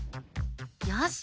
よし！